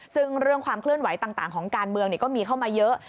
ซึ่งเรื่องความเคลื่อนไหวต่างของการเมืองก็มีเข้ามาเยอะ